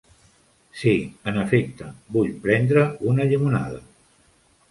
Sí, en efecte, vull prendre una llimonada.